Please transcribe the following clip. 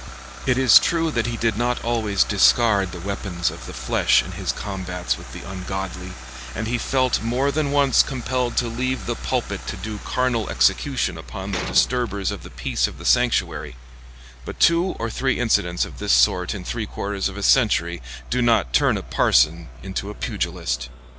It is true that he did not always discard the weapons of the flesh in his combats with the ungodly, and he felt more than once compelled to leave the pulpit to do carnal execution upon the disturbers of the peace of the sanctuary; but two or three incidents of this sort in three quarters of a century do not turn a parson into a pugilist.